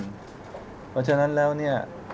เพราะฉะนั้นแล้วเนี่ย